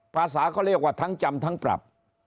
ภาษาเขาเรียกว่าทั้งจำทั้งปรับ